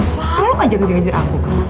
selalu ngajar ngajar aku